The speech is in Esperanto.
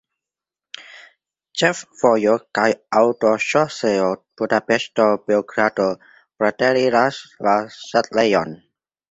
Ĉefvojo kaj aŭtoŝoseo Budapeŝto-Beogrado preteriras la setlejon.